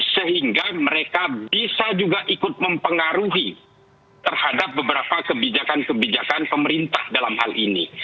sehingga mereka bisa juga ikut mempengaruhi terhadap beberapa kebijakan kebijakan pemerintah dalam hal ini